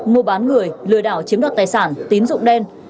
mua bán người lừa đảo chiếm đoạt tài sản tín dụng đen